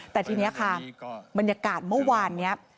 แต่ทีนี้ค่ะบรรยากาศเมื่อวานนี้